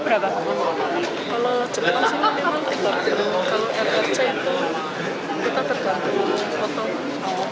kalau rrc itu kita tiga puluh juta